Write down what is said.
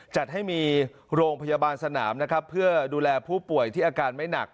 จัดให้มีโรงพยาบาลสนามนะครับเพื่อดูแลผู้ป่วยที่อาการไม่หนัก